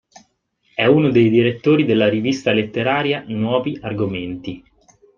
È uno dei direttori della rivista letteraria "Nuovi Argomenti".